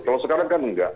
kalau sekarang kan nggak